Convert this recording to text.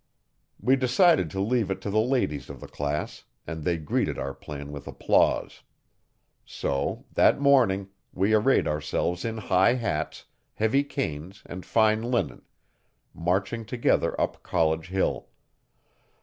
We decided to leave it to the ladies of the class and they greeted our plan with applause. So, that morning, we arrayed ourselves in high hats, heavy canes and fine linen, marching together up College Hill.